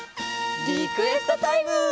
リクエストタイム！